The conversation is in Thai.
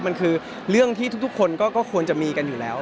มันคือเรื่องที่ทุกคนก็ควรจะมีกันอยู่แล้ว